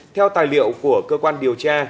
theo tài liệu của cơ quan điều tra